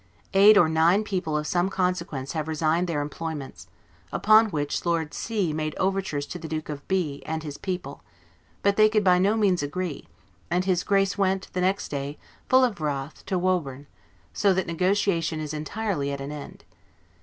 Eight or nine people of some consequence have resigned their employments; upon which Lord C made overtures to the Duke of B and his people; but they could by no means agree, and his Grace went, the next day, full of wrath, to Woburn, so that negotiation is entirely at an end.